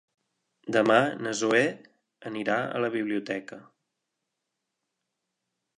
Demà na Zoè anirà a la biblioteca.